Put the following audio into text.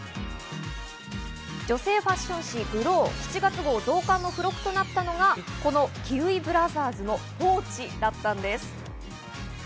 女性ファッション誌ＧＬＯＷ７月号増刊の付録となったのがこのキウイブラザーズのポーチだったんです。